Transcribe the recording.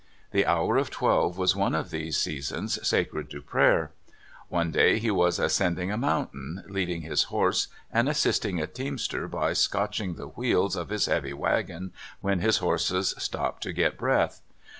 The hour of twelve was one of these seasons sacred to prayer. One day he was ascending a mountain, leading his horse, and assisting a teamster by scotching the w^heels of his heavy wagon when his horses stopped to get breath.